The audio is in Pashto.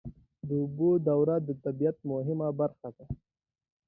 د اوبو دوره د طبیعت مهمه برخه ده.